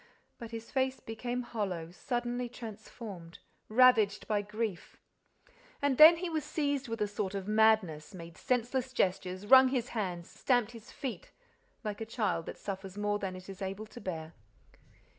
But his face became hollow, suddenly transformed, ravaged by grief. And then he was seized with a sort of madness, made senseless gestures, wrung his hands, stamped his feet, like a child that suffers more than it is able to bear.